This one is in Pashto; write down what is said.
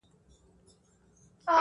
تر ابده له دې ښاره سو بېزاره!.